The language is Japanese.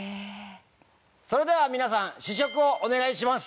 それでは皆さん試食をお願いします。